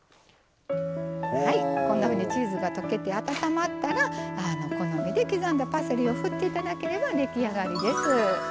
こんなふうにチーズが溶けて温まったら好みで刻んだパセリをふって頂ければ出来上がりです。